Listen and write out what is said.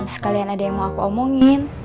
sekalian ada yang mau aku omongin